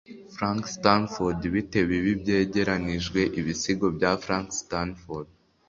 frank stanford, bite bibi byegeranijwe ibisigo bya frank stanford